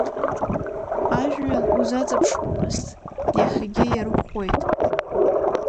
Ажәҩан узаҵаԥшуамызт, иаҳагьы иарӷәӷәеит.